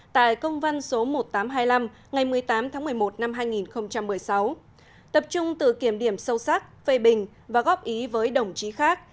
tại công văn số một nghìn tám trăm hai mươi năm ngày một mươi tám tháng một mươi một năm hai nghìn một mươi sáu tập trung tự kiểm điểm sâu sắc phê bình và góp ý với đồng chí khác